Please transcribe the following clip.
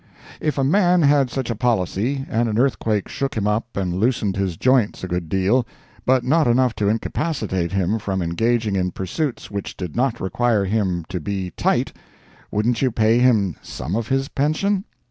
If a man had such a policy, and an earthquake shook him up and loosened his joints a good deal, but not enough to incapacitate him from engaging in pursuits which did not require him to be tight, wouldn't you pay him some of his pension?